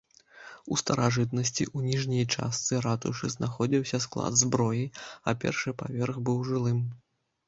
У старажытнасці у ніжняй частцы ратушы знаходзіўся склад зброі, а першы паверх быў жылым.